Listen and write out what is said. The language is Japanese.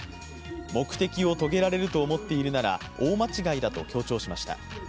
目的を遂げられると思っているなら大間違いだと強調しました。